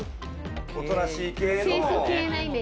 おとなしい系の。